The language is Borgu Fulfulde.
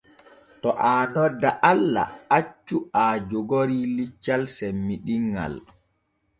To aa nodda Allah accu aa jogori liccal semmiɗinŋal.